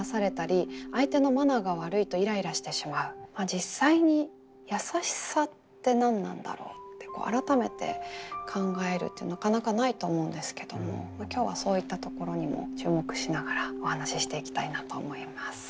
実際にやさしさって何なんだろうって改めて考えるってなかなかないと思うんですけども今日はそういったところにも注目しながらお話ししていきたいなと思います。